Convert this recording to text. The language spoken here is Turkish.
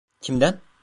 Kimden?